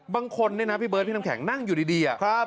บางคนเนี่ยนะพี่เบิร์ดพี่น้ำแข็งนั่งอยู่ดี